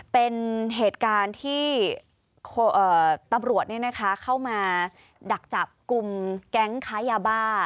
เป็นเหตุการณ์ที่ตำรวจเข้ามาดักจับกลุ่มแก๊งค้ายาบ้า